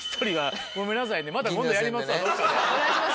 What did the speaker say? お願いします。